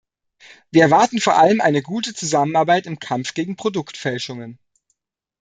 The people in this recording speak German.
Wir erwarten vor allem eine gute Zusammenarbeit im Kampf gegen Produktfälschungen.